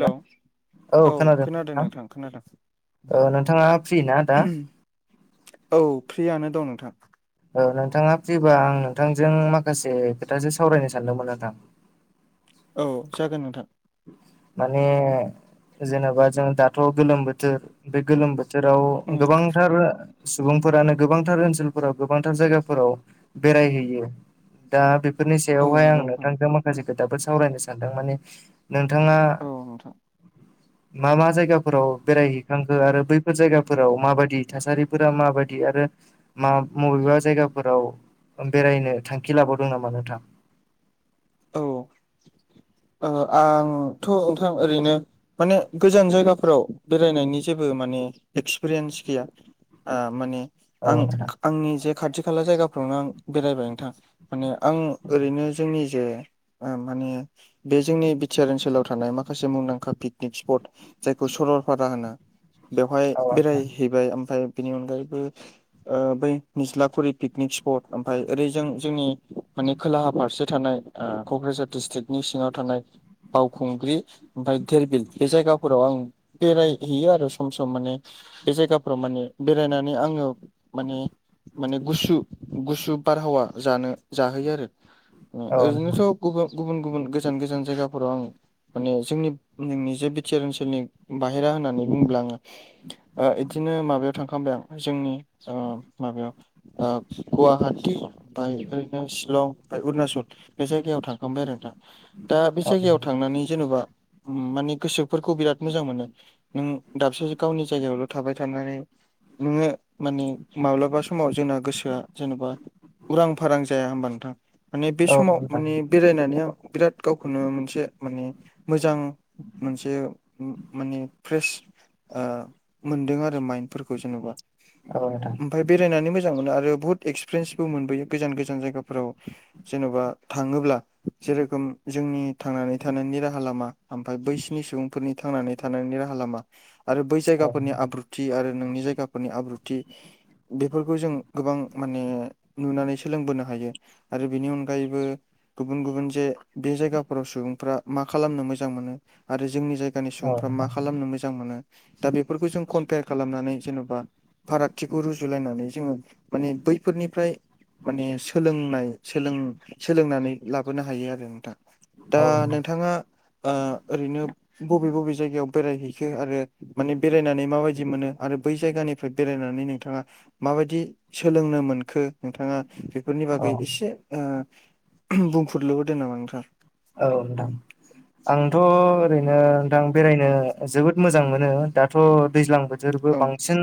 Hello औ खोनादों नोंथां औ नोंथाङा फ्रि ना दा औ फ्रियानो दं नोंथां ओ नोंथाङा फ्रिबा आं नोंथांजों माखासे खोथासो सावरायनो सानदोंमोन नोंथां औ जागोन नोंथां माने जेनेबा जों दाथ' गोलोम बोथोर बे गोलोम बो थोराव उम गोबां थार सुबुंफोरानो गोबांथार ओनसोलफोराव गोबांथार जायगाफोराव बेरायहैयो दा बे फोरनि औ सायावहाय आं नंगौ नोंथां नोंथांजों माखासे खोथाफोर सावरायनो सानदों माने नोंथाङा औ नोंथां मा मा जायगाफोराव बेरायहै खांखो आरो बैफोर जायगाफोराव माबायदि थासारिफोरा माबायदि आरो मा बबेबा जायगाफोराव बेरायनो थांखि लाबावदों नामा नोंथां औ आंथ' नोंथां ओरैनो माने गोजान जायगाफोराव बेरायनायनि जेबो माने एक्सपिरियेन्स गैया। आ माने औ आं नोंथां आंनि जे खाथि खाला जायगाफ्रावनो आं बेरायबाय नोंथां माने आं ओरैनो जोंनि जे माने बे जोंनि बिटिआर ओनसोलाव थानाय माखासे मुंदांखा पिकनिक स्पट जायखौ सरलपारा होनो बेवहाय बेरायहैबाय ओमफ्राय बेनि अनगायैबो बै निज्लाखुरि पिकनिक स्पट ओमफ्राय ओरै जों जोंनि माने खोलाहा फारसे थानाय क'क्राझार डिस्ट्रिक्नि सिङाव थानाय बावखुंग्रि ओमफफ्राय धोरबिल बे जायगाफोराव आं बेरायहैयो आरो सम सम माने बे जायगाफ्राव माने बेरायनानै आंङो माने माने गुसु गुसु बारहावा जानो जाहोयो आरो औ नोंथां ओरैनोथ' गुबुन गुबुन गुबुन गोजान गोजान जायगाफोराव आं माने जोंनि नोंनि जे बिटिआ ओनसोलनि बाहेरा होननानै बुंङोब्ला आंङो ओ बिदिनो माबायाव थांखबाय आं जोंनि माबायाव गुवाहाटि ओमफ्राय ओरैनो शिलं अरुणनाचल बे जायगायाव थांखांबाय आरो नों दा दा बे औ जायगायाव थां नोंथां थांनानै जेन'बा माने गोसोफोरखौ बिराद मोजां मोनो। नों दाबसे गावनि जायगायावल' थाबाय थानानै नोङो माने माब्लाबा समाव जोंना गोसोआ जेनेबा उरां फारां जाया होमबा नोंथां माने बे औ समाव नोंथां माने बेरायनानै बिराद गावखौनो मोनसे माने मोजां मोनसे माने फ्रेस मोनदों आरो माइनफोरखौ जेन'बा। औ नोंथां। ओमफ्राय बेरायनानै मोजां मोनो आरो बुहुत एक्सपिरियेन्सबो मोनबोयो गोजान गोजान जायगाफोराव जेन'बा थांङोब्ला जेरोखोम जोंनि थांनानै थानायनि राहा लामा ओमफ्राय बैसनि सुबुंफोरनि थांनानै थानायनि राहा लामा आरो बै औ जायगाफोरनि आब्रुथि आरो नोंनि जायगाफोरनि आब्रुथि बेफोरखौ जों गोबां माने नुनानै सोलोंबोनो हायो आरो बेनि अनगायैबो गुबुन गुबुन जे बे जायगाफोराव सुबुंफ्रा मा खालामनो मोजां मोनो आरो जोंनि जायगा जायानि सुबुंफ्रा मा नोंथां खालामनो मोजां मोनो दा बेफोरखौ जों कम्पयार खालामनानै जेन'बा फारागथिखौ रुजुलायनानै जोङो माने बैफोरनिफ्राय माने सोलोंनाय सोलों सोलोंनानै लाबोनो हायो आरो नोंथां दा औ नोंथां नोंथांङा ओरैनो बबे बबे जायगायाव बेरायहैखो आरो माने बेरायनानै माबायदि मोनो आरो बै जायगानिफ्राय बेरायनानै नोंथांङा माबायदि सोलोंनो मोनखो नोंथांङा बेफोरनि बागै औ एसे बुंफोरुरलबोदों नामा नोंथां। औे नोंथां। आंथ' ओरैनो नोंथां बेरायनो जोबोद मोजां मोनो दाथ' दैज्लां बो जोरबो औ बांसिन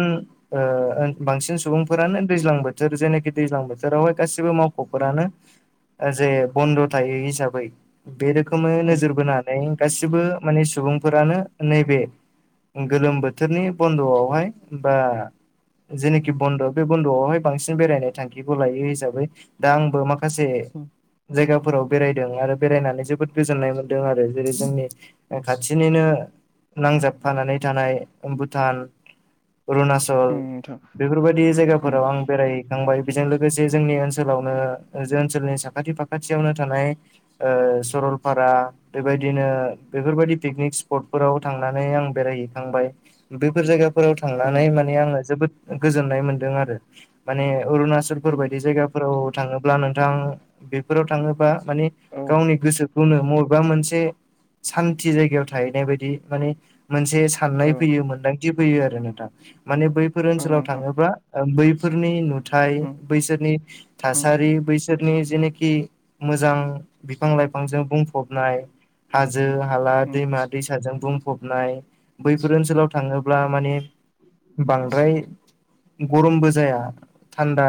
बांसिन सुबुंफोरानो दैज्लां बोथोर जेनाखि दैज्लां बोथोरावहाय गासिबो मावख'फोरानो जे बन्द' थायो हिसाबै बे रोखोमै उम नोजोर बोनानै गासिबो माने सुबुंफोरानो नैबे गोलोम बोथोरनि बन्द'आवहाय बा जेखि बन्द' बे बन्द'आवहाय बांसिन बेरायनाय थांखिखौ लायो हिसाबै दा आंबो माखासे उम जायगाफोराव बेरायदों आरो बेरायनानै जोबोद गोजोन्नाय मोन्दों आरो जेरै जोंनि खाथिनिनो नांजाबफानानै थानाय भुटान अरुणचल उम नल नोंथां बेफोरबायदि उम जायगाफोराव आं बेराय थांबाय बेजों लोगोसे जोंनि ओनसोलावनो जोंनि ओनसोलनि साखाथि फाखाथियावनो थानाय ओ सरलपारा बेबायदिनो बेफोर बायदि पिकनिक स्पटफोराव थांनानै आं बेरायहैखांबाय ओ बेफोर जायगा फोराव थांनानै माने आङो जोबोद गोजोन्नाय मोनदों आरो माने अरुणाचलफोर बायदि जायगा फोराव थाङोबा नोंथां बेफोराव थाङोबा माने औ गावनि गोसोखौनो मबेबा मोनसे सान्थि जायगायाव थाहैनाय बायदि माने मोनसे औ साननाय फैयो मोन्दांथि फैयो आरो नोंथां माने बैफोर औ ओनसोलाव नोंथां थाङोब्ला ओ बैफोरनि नुथाय उम बैसोरनि उम थासारि बै बिसोरनि जेनोखि मोजां बिफां-लाइफांजों बुंफबनाय हाजो-हाला उम दैमा-दैसाजों बुंफबनाय बैफोर ओनसोलाव था थाङोब्ला उम माने बांद्राय गरमबो जाया थान्दा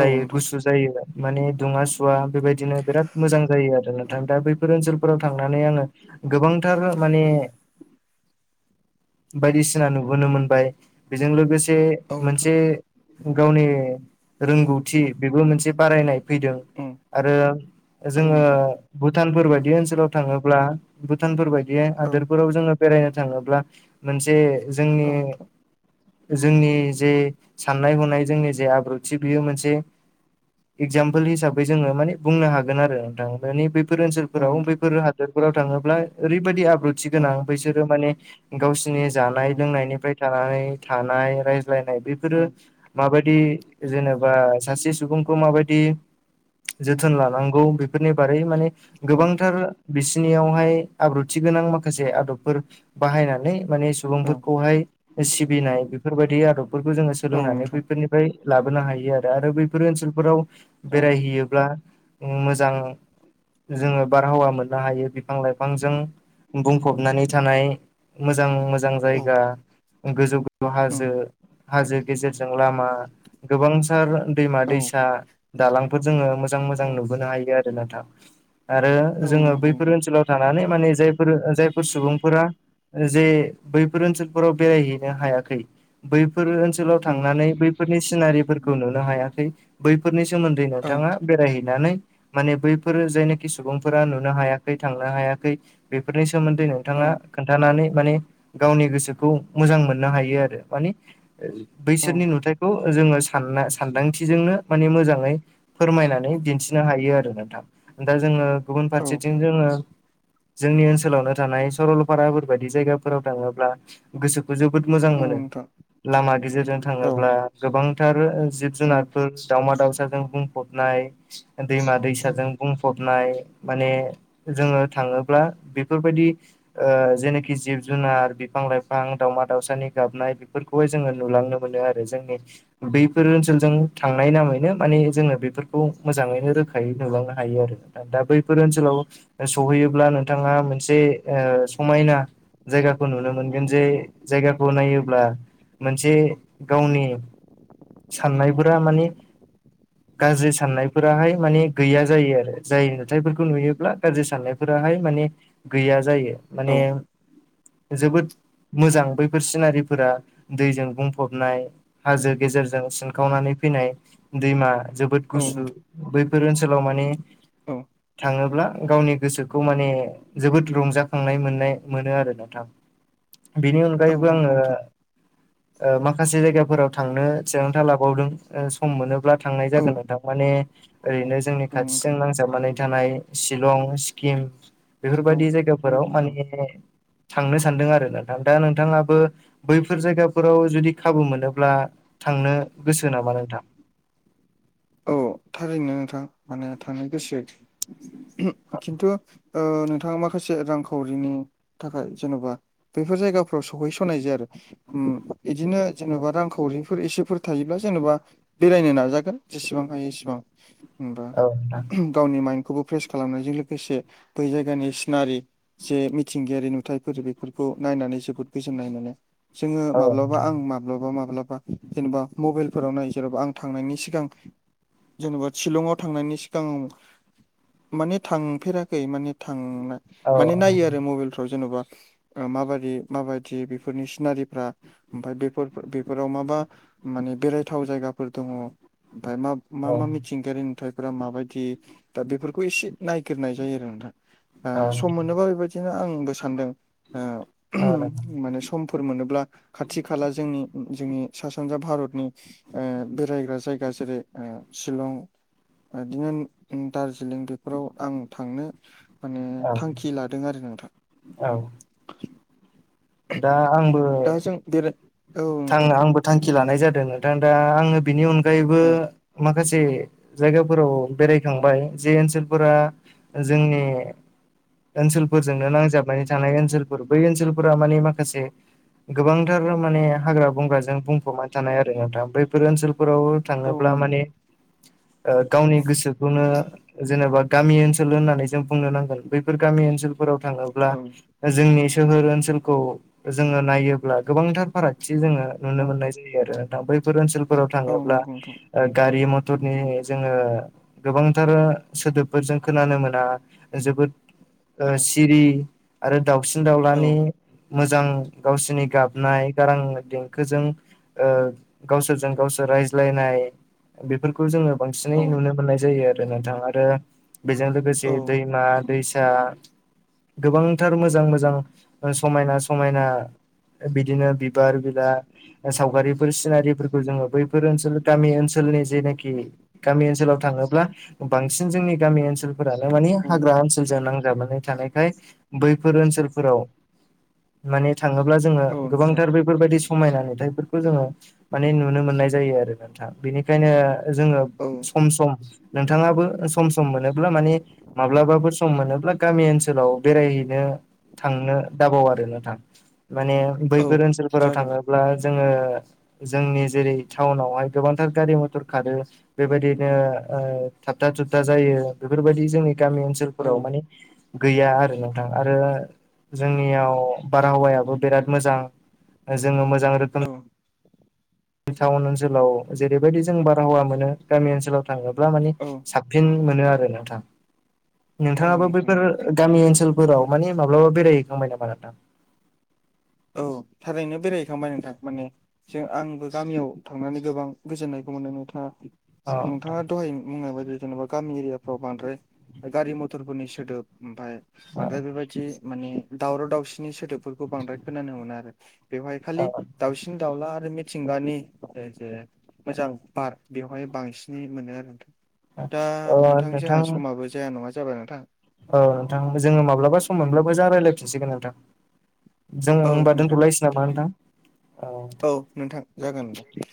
औ नोंथां गुसु जायो माने दुङा-सुवा बेबायदिनो बिराद मोजां जायो आरो नोंथां दा बैफोर ओनसोलफोराव थांनानै आङो गोबांथार माने बायदिसिना नुबोनो मोनबाय बेजों लोगोसे औ नोंथां मोनसे गावनि रोंगौथि बेबो मोनसे बारायनाय फैदों उम आरो औ जोङो नोंथां भुटानफोर बायदि ओनसोलाव थाङोब्ला भुटानफोर बायदि औ हादोरफोराव जोङो बेरायनो थाङोब्ला मोनसे जोंनि औ नोंथां औ जोंनि जे साननाय हनाय जोंनि जे आब्रुथि बेयो मोनसे एगजाम्पोल हिसाबै जोङो माने बुंनो हागो न आरो नोंथां बेफोर ओनसोलफोराव नोंथां हादोरफोराव थाङोब्ला एरैबायदि आब ब्रुथि गोनां उम बैसोरो माने गावसिनि जानाय उम लोंनायनिफ्राय थानानै थानाय ज्लायनाय बेफोरो उम माबादि जेनेबा सासे सुबुंखौ माबायदि जोथोन लानांगौ बेफोरनि बारै माने औ गोबांथार बिसिनियावहाय आब्रुथि गोनां माखासे आदबफोर बाहायनानै माने औ सुबुंफोरखौहाय सिबिनाय बेफोर बायदि आदबफोरखौ जोङो औ सोलोंनानै नोंथां बैफोरनि फ्राय लाबोनो हायो आरो आरो बैफोर ओनसोलफोराव औ बेरायहैयोब्ला जों मोजां जोङो बारहावा मोननो हायो बिफां-लाइफांजों बुंफबनानै थानाय मोजां मोजां औ जायगा गोजौ गोजौ हाजो उम, हाजो गेजेरजों लामा गोबांथार औ दैमा-दैसा दालांफोर जोङो मो मोजां औ मोजां नुबोनो हायो आरो नोंथां ना आरो औ जों नंगौ बैफोर नोंथां ओनसोलाव थानानै माने जायफोर जायफोर सुबुंफोरा जे बैफोर ओनसोलफोराव बेरायहैनो हायाखै बैफोर ओनसोलाव थांनानै बैफोरनि सिनारिफोरखौ नुनो हायाखै। बैफोरनि सोमोन्दै औ नोंथाङा बेरायहैनानै माने बैफोरो जायनाखि सुबुंफोरा नुनो हायाखै थांनो हायाखै बेफोरनि सोमोन्दैनो बिथाङा औ खोन्थानानै माने गावनि गोसोखौ मोजां मोननो हायो आरो माने औ बैसोरनि नुथाइखौ ओ जोङो सानना सानदांथिजोंनो माने मोजाङै फोरमायनानै दिन्थिनो हायो आरो नोंथां दा दा जोङो गुबुन औ फारसेथिं जोङो जोंनि ओनसोलावनो थानाय सरलपाराफोर बायदि जायगाफोराव थाङोब्ला गोसो जोबोद मोजां मोनो नंगौ नोंथां लामा गेजेरजों औ थाङोब्ला गोबांथार ओ उम, जिब-जुनारफोर दावमा-दावसाजों बुंफबनाय उम, दैमा-दैसाजों बुंफबनाय नाय माने जोङो थाङोब्ला बेफोर बायदि ओ जेनाखि जिब-जुनार बिफां-लाइफां दावउमा-दाउसानि गाबनाय बेफोरखौ खौहाय जोङो नुलांनो मोनो आरो जोंनि बैफोर ओनसोलजों थांनाय नामैनो माने जोङो बेफोरखौ मोजाङैनो रोखायै नुलांनो हायो आरो। दा बैफोर ओनसोलाव सहैयोब्ला नोंथाङा मोनसे ओ समायना जायगाखौ नुनो मोनगोन जे जायगाखौ नायोब्ला मोनसे गावनि साननायफोरा माने गाज्रि साननायफोराहाय माने गैया जायो आरो जाय नुथायफोरखौ नुयोब्ला गाज्रि साननायफोरा हाय माने गैया जायो औ माने जोबोद मोजां बैफोर सिनारिफोरा दैजों बुंफबनाय हाजो गेजेरजों सिनखावनानै फैनाय दैमा जोबोद औ गुसु नोंथां बैफोर ओनसोलाव माने औ थाङोब्ला गावनि गोसो खौ माने जोबोद रंजाखांनाय मोननाय मोनो आरो नोंथां। बिनि औ अनगायैबो नंगौ आङो नोंथां ओ माखासे जायगाफोराव थांनो थिरांथा लाबावदों। ओ सम मोनोब्ला थांनाय औ जागोन नोंथां माने ओरैनो जोंनि औ खाथिजों नोंथां नांजाबनानै थानाय शिलं सिक्किम औ बेफोरबायदि औ जायगाफोराव नोंथां माने थांनो सान्दों आरो नोंथां दा नोंथाङाबो बैफोर जायगाफोराव जुदि खाबु मोनोब्ला थांनो गोसो नामा नोंथां? औ थारैनो नोंथां माने थांनो गोसो खिनतु ओ नोंथा माखासे रांखावरिनि थाखाय जेनबा बैफोर जायगाफ्राव सहैसनाय जाया आरो। उम इदिनो जेनबा रांखावरिफोर एसेफोर थायोब्ला जेनेबा बेरायनो नाजागोन जेसेबां हायो एसेबां ओमबा औ नोंथां गावनि माइन्दखौबो फ्रेस खालामनायजों लोगोसे बै जायगानि सिनारि जे मिथिंगायारि नुथायफोर बेफोरखौ नायनानै जोबोद गोजोननाय मोनो। जोङो औ माब्लाबा नोंथां आं मा माब्लाबा माब्लाबा जेनेबा मबेलफोराव नाय जेनबा आं थांनायनि सिगां जेनबा शिलङाव थांनायनि सिगाङाव माने थांफेराखै माने थांनो औ माने नायो आरो मबेलफ्राव जेनबा माबादि माबादि बेफोरनि सिनारिफ्रा ओमफाय बेफोर बेफोराव माबा माने बेरायथाव जायगाफोर दङ ओमफाय मा मा औ मा मिथिंगायारि नुथायाइफोरा माबायदि दा बेफोरखौ एसे नायगिरनाय जायो आरो नोंथां ओ सम मोनोबा बेबायदिनो आंबो सानदों ओ औ नोंथां माने समफोर मोनोब्ला खाथि खाला जोंनि जोंनि सा सानजा भारतनि ओ बेरायग्रा जायगा जेरै ओ शिलं बिदिनो दार्जिलिं बेफोराव आं थांनो माने औ थांखि लादों आरो नोंथां औ उम दा आंबो दा जों बेराय औ नोंथां नोंथां आंबो थांखि लानाय जादों नोंथां दा आङो बिनि अनगायैबो औ मा माखासे जायगाफोराव बेरायखांबाय जे ओनसोलफोरा जोंनि ओनसोलफोरजोंनो नांजाबनानै थानाय ओनसोलफोर बै ओनसोलफोरा मानि माखासे गोबांथारनो माने हाग्रा बंग्राजों बुंफबना थानाय आरो नोंथां बैफोर ओनसोलफोराव औ थाङोब्ला नोंथां माने ओ गावनि गोसो जोङो जेनेबा गामि ओनसोल होननानै जों बुंनो नांगोन बैफोर गामि ओनसोल फोराव थाङोब्ला औ जोंनि सोहोर ओनसोलखौ जोङो नायोब्ला गोबांथार फाराग बिदि जोङो नुनो औ मोननाय जायो आरो नोंथां बैफोर ओनसोलफोराव औ थाङोब्ला नंगौ नोंथां ओ गारि मटरनि जोङो गोबांथार सोदोबफोर जों खोनानो मोना जोबोद औ सिरि आरो दाउसिन औ दाउलानि मोजां गावसिनि गाबनाय गारां देंखोजों ओ गावसोरजों गावसोर रायज्लायनाय बेफोरखौ जोङो बांसिनै औ नुनो मोननाय जायो आरो नोंथां आरो बेजों लोगोसे औ दैमा दैसा गोबांथार मोजां मोजां ओ समायना समायना बिदिनो बिबार बिला ओ सावगारिफोर सिनारिफोरखौ जोङो बैफोर ओनसोल गामि ओनसोलनि जेनाखि गामि ओनसोलाव थाङोब्ला बांसिन जोंनि गामि ओनसोल फोरानो माने औ हाग्रा ओनसोलजो नांजाबनानै थानायखाय बैफोर ओनसोलफोराव माने थाङोब्ला जोङो नोंथां गोबांथार बेफोरबायदि समायना नुथायफोरखौ जोङो माने नुनो मोननाय जायो आरो नोंथां। बेनिखायनो जोङो औ सम सम नोंथाङाबो सम सम मोनोब्ला माने माब्लाबाफोर सम मोनोब्ला गामि ओनसोलाव बेरायहैनो थांनो दाबाव आरो नोंथां। माने औ बैफोर ओनसोलफोराव जागोन थाङोब्ला जोङो जोंनि जेरै टाउनावहाय गोबांथार गारि मथर खारो बेबायदिनो ओ थाबथा थुबथा जायो बेफोरबायदि जोंनि गामि ओनसो औ सोलफोराव माने गैया आरो नोंथां आरो जोंनियाव बारहावायाबो बेराद मोजां जोङो मोजां रो औ। टाउन ओनसोलाव जेरैबायदि जों बारहावा मोनो गामि ओनसोलाव थाङोब्ला मानि औ साब फिन मोनो आरो नोंथां। नोंथाङाबो नोंथां बैफोर गामि ओनसोल फोराव माने माब्लाबा बेरायहैखांबाय नामा नोंथां? औ थारैनो बेरायहैखांबाय नोंथां माने जो आंबो गामियाव थांनानै गोबां गोजोननायखौ मोनदों नोंथाङा औ नोंथाङा दहाय बुंनाय बायदि जेनेबा गामि एरियाफ्राव बांद्राय गारि मथरफोरनि सोदोब ओमफाय बांद्राय बेबायदि माने दावराव दावसिनि सोदोबफोरखौ बांद्राय खोनानो मोना आरो। बेवहाय खालि औ दाउसिन दाउला आरो मिथिंगानि जे जे मोजां बार बेवहाय बांसिनै मोनो आरो नोंथां। दा नोंथां जोंहा समाबो जाया नङा जाबाय नोंथां। औ नोंथां जोङो माब्लाबा सम मोनब्लाबो मोजां रायलाय फिनसिगोन नोंथां‌। जों औ होनबा नोंथां दोनथ'लायसै नामा नोंथां? ओं। औ नोंथां जागोन नोंथां।